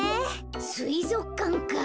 すいぞくかんか。